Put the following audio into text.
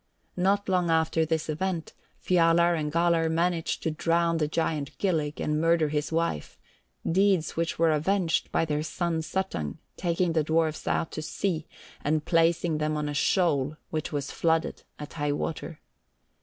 Not long after this event, Fjalar and Galar managed to drown the giant Gilling and murder his wife, deeds which were avenged by their son Suttung taking the dwarfs out to sea, and placing them on a shoal which was flooded at high water.